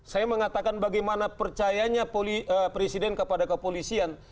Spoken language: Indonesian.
saya mengatakan bagaimana percayanya presiden kepada kepolisian